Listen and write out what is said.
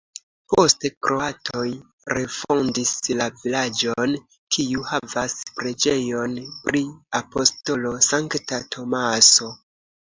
Poste kroatoj refondis la vilaĝon, kiu havas preĝejon pri apostolo Sankta Tomaso.